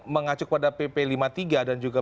mengacu kepada pp lima puluh tiga dan juga